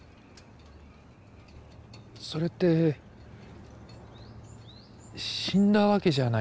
それって死んだわけじゃないですよね。